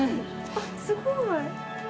あっすごい！